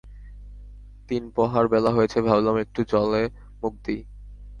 তিনপহার বেলা হয়েছে, ভাবলাম একটু জল মুখে দিই!